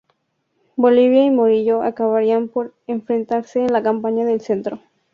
Bolívar y Morillo acabarían por enfrentarse en la Campaña del Centro.